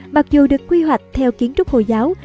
mặc dù được quy hoạch theo kiến trúc hồi giáo